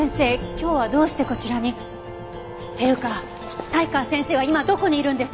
今日はどうしてこちらに？っていうか才川先生は今どこにいるんです？